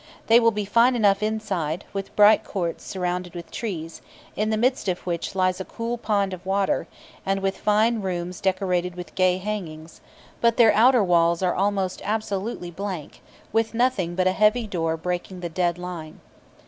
They will be fine enough inside, with bright courts surrounded with trees, in the midst of which lies a cool pond of water, and with fine rooms decorated with gay hangings; but their outer walls are almost absolutely blank, with nothing but a heavy door breaking the dead line.